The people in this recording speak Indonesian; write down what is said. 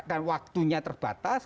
dan waktunya terbatas